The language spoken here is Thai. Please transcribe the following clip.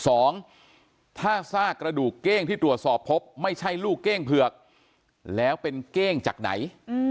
สองถ้าซากกระดูกเก้งที่ตรวจสอบพบไม่ใช่ลูกเก้งเผือกแล้วเป็นเก้งจากไหน